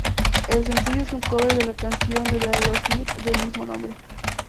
El sencillo es un cover de la canción de de Aerosmith del mismo nombre.